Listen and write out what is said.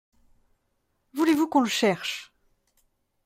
Voulez-vous qu’on le cherche ?